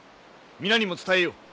皆にも伝えよ。